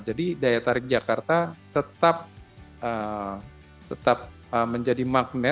jadi daya tarik jakarta tetap menjadi magnet